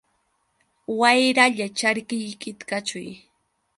Wayralla charkiykita kaćhuy.